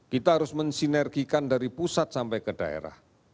kita harus mensinergikan dari pusat sampai ke daerah